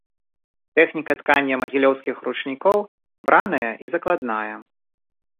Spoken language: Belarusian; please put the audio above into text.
Тэхніка ткання магілёўскіх ручнікоў браная і закладная.